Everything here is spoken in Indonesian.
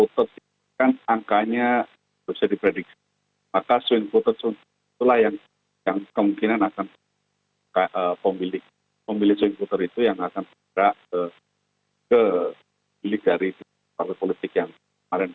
sebenarnya kalau kita melihat dulu ini